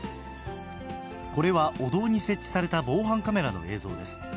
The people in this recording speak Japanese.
これはお堂に設置された防犯カメラの映像です。